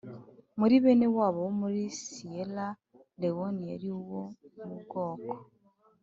muri bene wabo bo muri Siyera Lewone Yari uwo mu bwoko